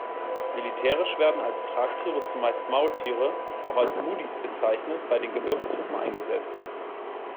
Militärisch werden als Tragtiere zumeist Maultiere, auch als Mulis bezeichnet, bei den Gebirgstruppen eingesetzt.